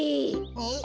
えっ？